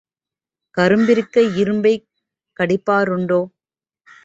கரும்பிருக்க இரும்பைக் கடிப்பாருண்டோ?